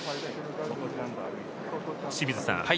清水さん